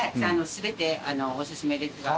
全ておすすめですが。